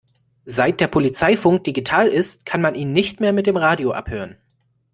Seit der Polizeifunk digital ist, kann man ihn nicht mehr mit dem Radio abhören.